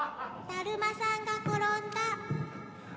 だるまさんがころんだ。